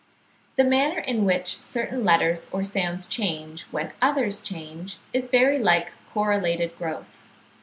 The manner in which certain letters or sounds change when others change is very like correlated growth.